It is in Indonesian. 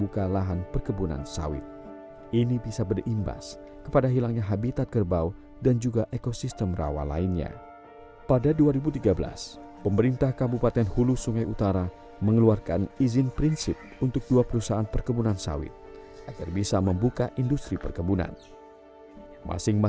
kalau terjadinya sawit di sini mungkin perusahaan ampunnya